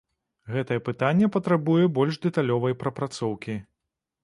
Гэтае пытанне патрабуе больш дэталёвай прапрацоўкі.